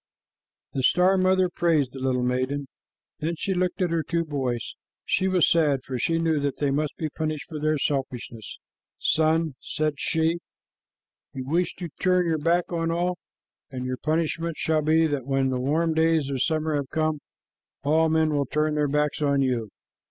The star mother praised the little maiden. Then she looked at her two boys. She was sad, for she knew that they must be punished for their selfishness. "Sun," said she, "you wish to turn your back on all, and your punishment shall be that when the warm days of summer have come, all men will turn their backs on you."